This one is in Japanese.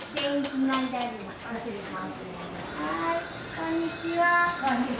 こんにちは。